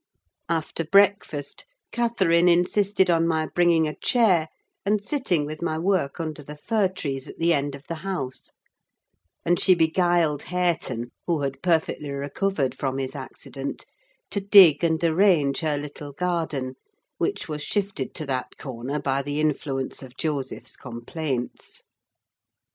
After breakfast, Catherine insisted on my bringing a chair and sitting with my work under the fir trees at the end of the house; and she beguiled Hareton, who had perfectly recovered from his accident, to dig and arrange her little garden, which was shifted to that corner by the influence of Joseph's complaints.